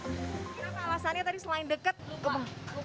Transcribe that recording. kira kira alasannya tadi selain dekat lupa